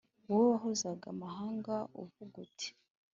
wowe wayogozaga amahanga, uvuga uti